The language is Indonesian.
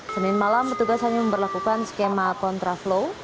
senin malam petugas hanya memperlakukan skema kontraflow